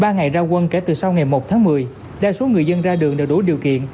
trong ba ngày ra quân kể từ sau ngày một tháng một mươi đa số người dân ra đường đều đủ điều kiện